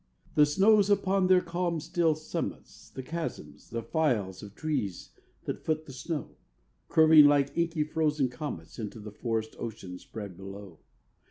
The snows upon their calm still summits, The chasms, the files of trees that foot the snow, Curving like inky frozen comets, Into the forest ocean spread below.